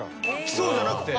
来そうじゃなくて。